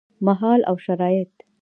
مهال او شرايط: